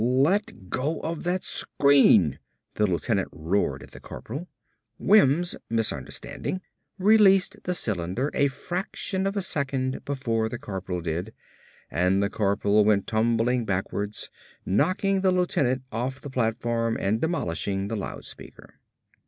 "Let go of that screen," the lieutenant roared at the corporal. Wims, misunderstanding, released the cylinder a fraction of a second before the corporal did and the corporal went tumbling backwards, knocking the lieutenant off the platform and demolishing the loud speaker.